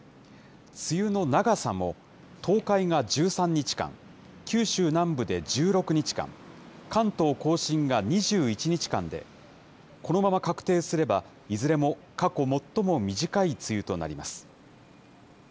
梅雨の長さも、東海が１３日間、九州南部で１６日間、関東甲信が２１日間で、このまま確定すれば、いずれも過去最も短い梅雨となります。